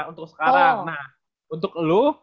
untuk sekarang nah untuk lo